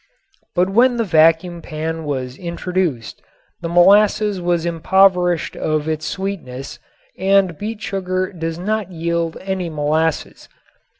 But when the vacuum pan was introduced the molasses was impoverished of its sweetness and beet sugar does not yield any molasses.